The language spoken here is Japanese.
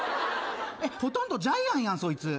ほとんどジャイアンやんそいつ。